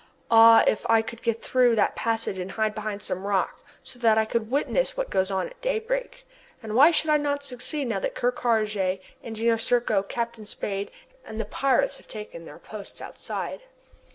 Ah! if I could get through that passage and hide behind some rock, so that I could witness what goes on at daybreak! And why should I not succeed now that Ker Karraje, Engineer Serko, Captain Spade, and the pirates have taken their posts outside?